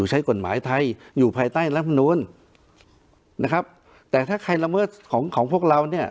ใช้กฎหมายไทยอยู่ภายใต้รัฐมนูลนะครับแต่ถ้าใครละเมิดของของพวกเราเนี่ย